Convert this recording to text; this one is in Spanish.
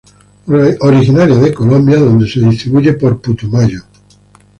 Originaria de Colombia, donde se distribuye por Putumayo.